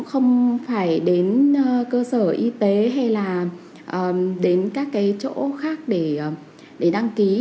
không phải đến cơ sở y tế hay là đến các cái chỗ khác để đăng ký